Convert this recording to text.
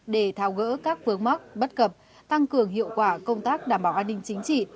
để thao gỡ các vướng mắc bất cập tăng cường hiệu quả công tác đảm bảo an ninh chính trị